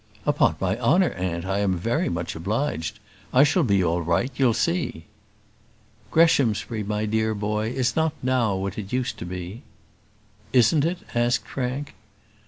"Upon my honour, aunt, I am very much obliged. I shall be all right, you'll see." "Greshamsbury, my dear boy, is not now what it used to be." "Isn't it?" asked Frank.